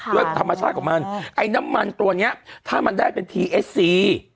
ด้วยธรรมชาติของมันไอ้น้ำมันตัวนี้ถ้ามันได้เป็นพีเอสซี